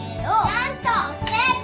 ちゃんと教えて！